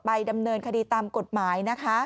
ไปดำเนินคดีตามกฎหมาย